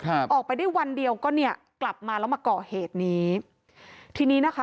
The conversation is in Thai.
ออกไปได้วันเดียวก็เนี่ยกลับมาแล้วมาก่อเหตุนี้ทีนี้นะคะ